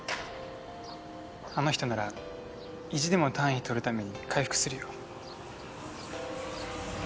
あの人なら意地でも単位取るために回復するよ。